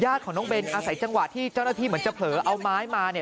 ของน้องเบนอาศัยจังหวะที่เจ้าหน้าที่เหมือนจะเผลอเอาไม้มาเนี่ย